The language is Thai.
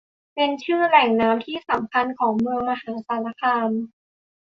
เป็นชื่อแหล่งน้ำที่สำคัญของเมืองมหาสารคาม